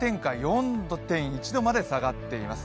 ４．１度まで下がっています。